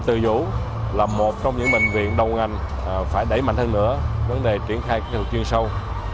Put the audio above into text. từ dũ là một trong những bệnh viện đầu ngành phải đẩy mạnh hơn nữa vấn đề triển khai kỹ thuật chuyên sâu